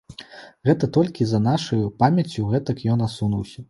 Гэта толькі за нашаю памяццю гэтак ён асунуўся.